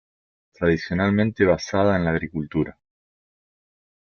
Tradicionalmente basada en la agricultura.